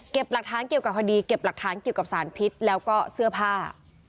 หลักฐานเกี่ยวกับคดีเก็บหลักฐานเกี่ยวกับสารพิษแล้วก็เสื้อผ้า